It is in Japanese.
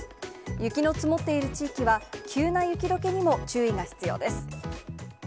雪の積もっている地域は、急な雪どけにも注意が必要です。